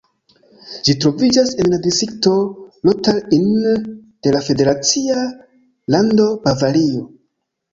Ĝi troviĝas en la distrikto Rottal-Inn de la federacia lando Bavario.